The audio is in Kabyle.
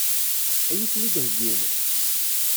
Ad iyi-ten-id-heggin?